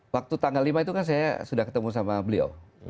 waktu tanggal lima itu kan saya sudah ketemu sama beliau